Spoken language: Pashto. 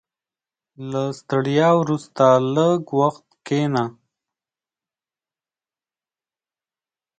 • له ستړیا وروسته، لږ وخت کښېنه.